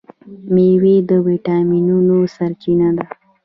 میوې د ویټامینونو سرچینه ده.